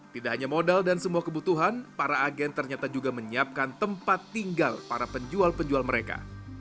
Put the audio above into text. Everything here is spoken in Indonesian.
tidak hanya modal dan semua kebutuhan para agen ternyata juga menyiapkan tempat tinggal para penjual penjual mereka